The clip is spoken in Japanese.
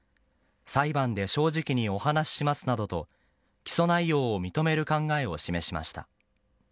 裁判で正直にお話ししますなどと起訴内容を認める考えを示しました。